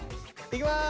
いきます！